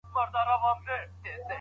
اسلام د انسانانو سوداګري ختمه کړه.